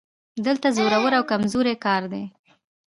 دلته زورور او کمزوری کار دی